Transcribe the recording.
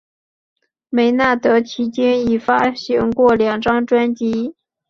梅纳德迄今已发行过两张专辑。